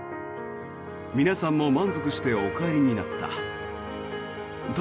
皆さんも満足してお帰りになった。